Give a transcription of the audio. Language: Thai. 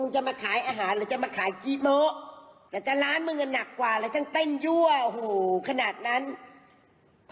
ชุเรศชุเรศชุเรศ